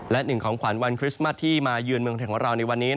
และหนึ่งของขวัญวันคริสต์มัสที่มาเยือนเมืองไทยของเราในวันนี้